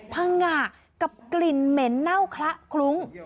พังงะกับกลิ่นเหม็นเน่าคละคลุ้ง